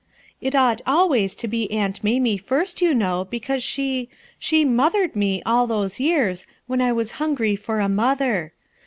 "It ought always to be Aunt Mamie first, you know, because she — she mothered me all those years when I was hungry for a mother.